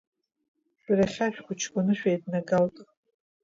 Шәара иахьа шәхәыҷқәаны шәеиднагалт.